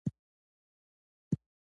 موږ د غږونو تنوع ته اړتيا لرو ښځې